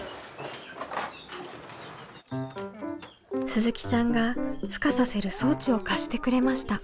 鈴木さんがふ化させる装置を貸してくれました。